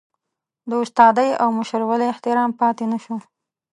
د استادۍ او مشرولۍ احترام پاتې نشو.